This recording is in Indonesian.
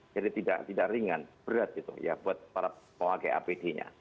jadi tidak ringan berat gitu ya buat para pewakil apd nya